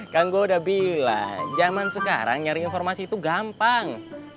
kan gue udah bilang zaman sekarang nyari informasi tuh gampang